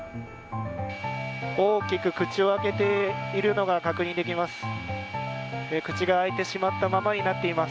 大きく口を開けているのが確認できます。